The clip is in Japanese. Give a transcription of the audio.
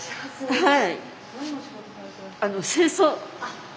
はい。